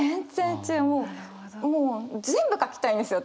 もう全部書きたいんですよ